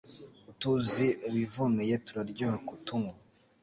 Utuzi wivomeye turaryoha kutunywa